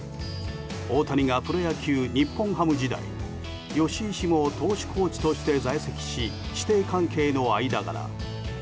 大谷がプロ野球日本ハム時代吉井氏も投手コーチとして在籍し師弟関係の間柄。